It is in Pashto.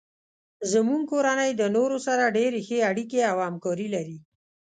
زمونږ کورنۍ د نورو سره ډیرې ښې اړیکې او همکاري لري